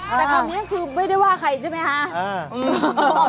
เอ่อแต่คำนี้คือไม่ได้ว่าใครใช่ไหมฮะอืม